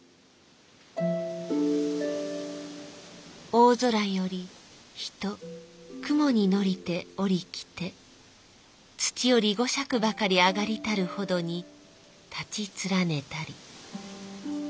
「大空より人雲に乗りて下り来て土より五尺ばかり上がりたるほどに立ち連ねたり。